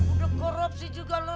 udah korupsi juga lo